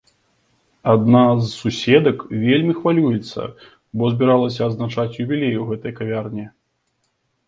Адна з суседак вельмі хвалюецца, бо збіралася адзначаць юбілей у гэтай кавярні.